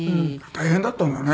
大変だったんだね。